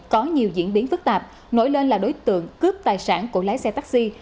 có nhiều diễn biến phức tạp nổi lên là đối tượng cướp tài sản của lái xe taxi